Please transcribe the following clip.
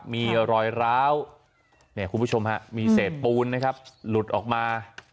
มีรอยร้าวเนี่ยคุณผู้ชมฮะมีเศษปูนนะครับหลุดออกมา